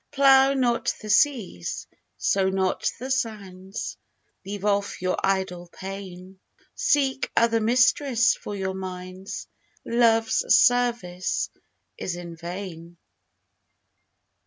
Plough not the seas, sow not the sands, Leave off your idle pain; Seek other mistress for your minds, Love's service is in vain.